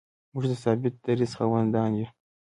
موږ د ثابت دریځ خاوندان نه یو.